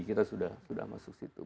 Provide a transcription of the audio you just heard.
kita sudah masuk situ